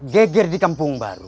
geger di kampung baru